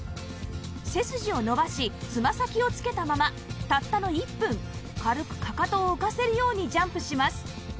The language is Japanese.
背筋を伸ばしつま先をつけたままたったの１分軽くかかとを浮かせるようにジャンプします